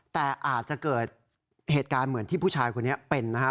แต่อาจจะเกิดเหตุการณ์เหมือนที่ผู้ชายคนนี้เป็นนะฮะ